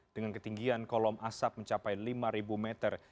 dengan ketinggian kolom asap mencapai lima meter